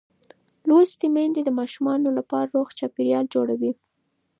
لوستې میندې د ماشوم لپاره روغ چاپېریال جوړوي.